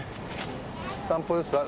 散歩ですか？